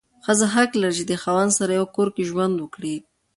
ښځه حق لري چې د خاوند سره یو کور کې ژوند وکړي.